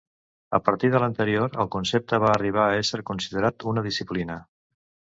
A partir de l'anterior, el concepte va arribar a ésser considerat una disciplina.